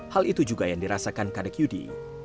hal itu juga yang dirasakan kandek yudi